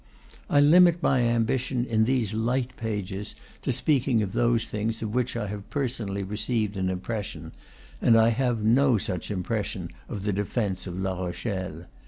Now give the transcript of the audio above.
I limit my ambition, in these light pages, to speaking of those things of which I have personally received an impression; and I have no such impression of the defence of La Rochelle.